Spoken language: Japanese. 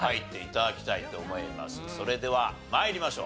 それでは参りましょう。